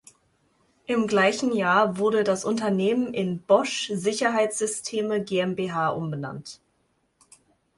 Im gleichen Jahr wurde das Unternehmen in "Bosch Sicherheitssysteme GmbH" umbenannt.